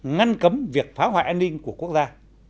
ngăn cấm việc phá hoại an ninh của quốc gia